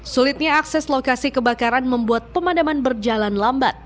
sulitnya akses lokasi kebakaran membuat pemadaman berjalan lambat